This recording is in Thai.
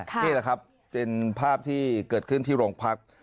นี่แหละครับเป็นภาพที่เกิดขึ้นที่โรงพัก